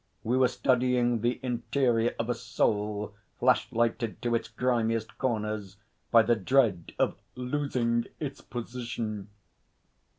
We were studying the interior of a soul, flash lighted to its grimiest corners by the dread of 'losing its position.'